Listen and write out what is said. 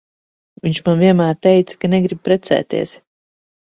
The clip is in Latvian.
Viņš man vienmēr teica, ka negrib precēties.